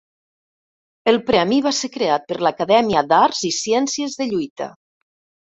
El premi va ser creat per l'Acadèmia d'Arts i Ciències de Lluita.